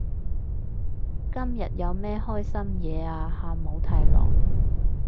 今日有咩開心嘢啊哈姆太郎？